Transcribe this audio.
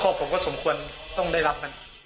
ครอบผมก็สมควรต้องได้รับ